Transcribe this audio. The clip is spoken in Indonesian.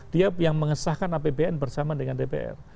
dia yang mengesahkan apbn bersama dengan dpr